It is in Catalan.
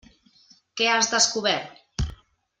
Què has descobert?